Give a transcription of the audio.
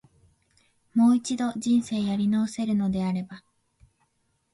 もう一度、人生やり直せるのであれば、